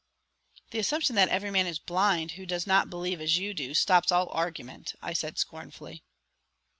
"The assumption that every man is blind who does not believe as you do, stops all argument," I said scornfully.